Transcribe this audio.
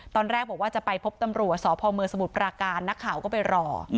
ตอนแรกบอกว่าจะไปพบตำรวจสพเมืองสมุทรปราการนักข่าวก็ไปรอ